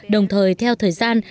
đồng thời theo thời gian